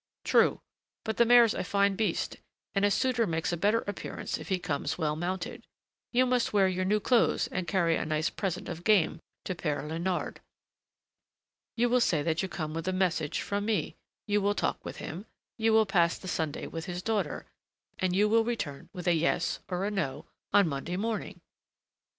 "True, but the mare's a fine beast, and a suitor makes a better appearance if he comes well mounted. You must wear your new clothes and carry a nice present of game to Père Léonard. You will say that you come with a message from me, you will talk with him, you will pass the Sunday with his daughter, and you will return with a yes or a no on Monday morning."